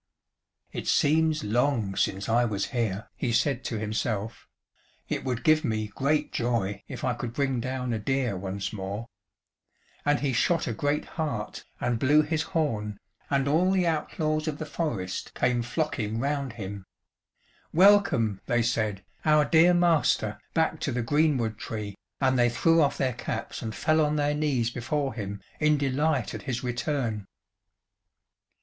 "It seems long since I was here," he said to himself; "It would give me great joy if I could bring down a deer once more," and he shot a great hart, and blew his horn, and all the outlaws of the forest came flocking round him. "Welcome," they said, "our dear master, back to the greenwood tree," and they threw off their caps and fell on their knees before him in delight at his return.